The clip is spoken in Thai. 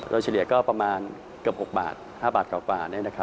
เฉลี่ยก็ประมาณเกือบ๕บาทกว่า